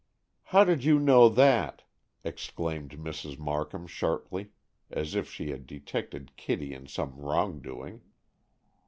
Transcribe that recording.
"How did you know that?" exclaimed Mrs. Markham sharply, as if she had detected Kitty in some wrongdoing.